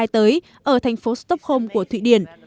tới ở thành phố stockholm của thụy điển